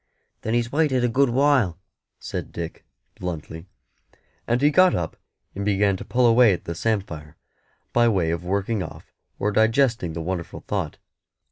"Then He's waited a good while," said Dick, bluntly; and he got up and began to pull away at the samphire, by way of working off or digesting the wonderful thought.